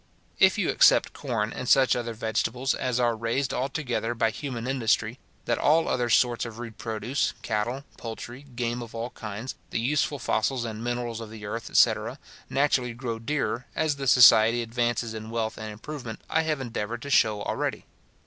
If you except corn, and such other vegetables as are raised altogether by human industry, that all other sorts of rude produce, cattle, poultry, game of all kinds, the useful fossils and minerals of the earth, etc. naturally grow dearer, as the society advances in wealth and improvement, I have endeavoured to shew already.